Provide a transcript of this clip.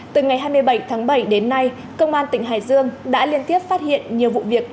từ ngày hai mươi bảy tháng bảy đến nay công an tỉnh hải dương đã liên tiếp phát hiện nhiều vụ việc